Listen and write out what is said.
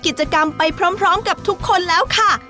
กิจกรรมไปพร้อมกับทุกคนแล้วค่ะ